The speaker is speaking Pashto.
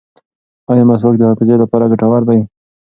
ایا مسواک د حافظې لپاره ګټور دی؟